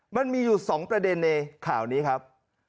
มันมีอยู่๒ประเด็นในข่าวนี้ครับ